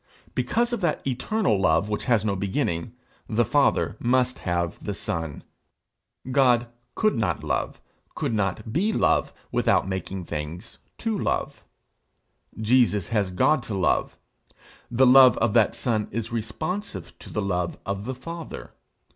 Because of that eternal love which has no beginning, the Father must have the Son. God could not love, could not be love, without making things to love: Jesus has God to love; the love of the Son is responsive to the love of the Father.